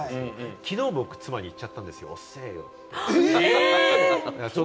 きのう僕も妻に言っちゃったんですよ、遅ぇよって。